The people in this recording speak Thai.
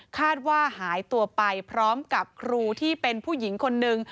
คาดว่าหายตัวไปพร้อมกับครูที่เป็นผู้หญิงคนนึง